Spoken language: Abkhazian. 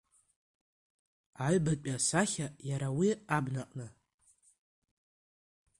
Аҩбатәи асахьа иара уи абнаҟны.